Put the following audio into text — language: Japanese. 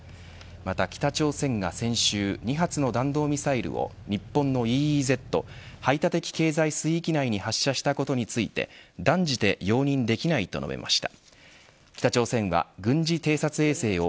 また北朝鮮が先週２発の弾道ミサイルを日本のＥＥＺ排他的経済水域内に発射したことについて断じて容認できないと述べました。